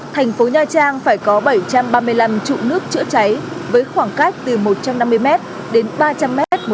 thành phố nha trang phải có bảy trăm ba mươi năm trụ nước chữa cháy với khoảng cách từ một trăm năm mươi m đến ba trăm linh m một